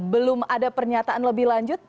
belum ada pernyataan lebih lanjut